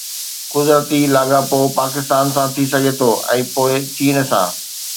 قدرتي لاڳاپو پاڪستان سان ٿي سگهي ٿو ۽ پوءِ چين سان.